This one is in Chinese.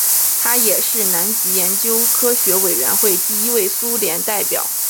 他也是南极研究科学委员会第一位苏联代表。